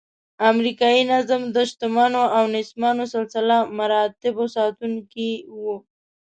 امریکایي نظم د شتمنو او نیستمنو سلسله مراتبو ساتونکی و.